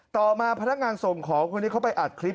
ต่อมาพนักงานส่งของคนนี้เขาไปอัดคลิป